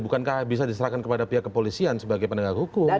bukankah bisa diserahkan kepada pihak kepolisian sebagai penegak hukum